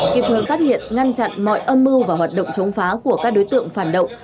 kịp thời phát hiện ngăn chặn mọi âm mưu và hoạt động chống phá của các đối tượng phản động